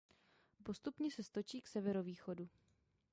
Postupně se stočí k severovýchodu.